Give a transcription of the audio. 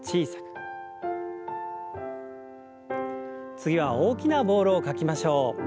次は大きなボールを描きましょう。